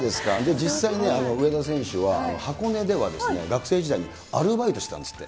実際ね、上田選手は、箱根では学生時代にアルバイトしてたんですって。